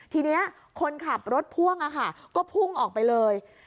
ทีนี้คนขับรถพ่วงก็พุ่งออกไปเลย